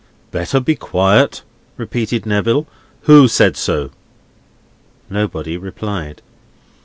"Better be quiet?" repeated Neville. "Who said so?" Nobody replied.